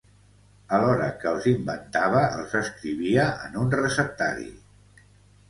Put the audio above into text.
Alhora que els inventava, els escrivia en un receptari.